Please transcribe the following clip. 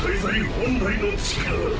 本来の力。